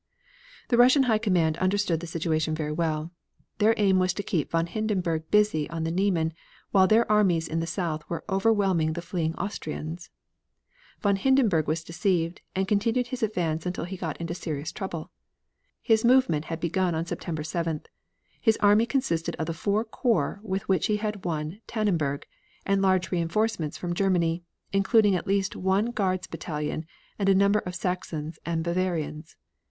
The Russian High Command understood the situation very well. Their aim was to keep von Hindenburg busy on the Niemen, while their armies in the south were overwhelming the fleeing Austrians. Von Hindenburg was deceived, and continued his advance until he got into serious trouble. His movement had begun on September 7th; his army consisted of the four corps with which he had won Tannenberg, and large reinforcements from Germany, including at least one guards battalion, and a number of Saxons and Bavarians.